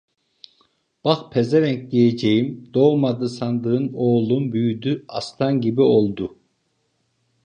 Bak pezevenk, diyeceğim, doğmadı sandığın oğlun büyüdü, aslan gibi oldu.